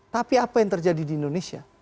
tapi apa yang terjadi di indonesia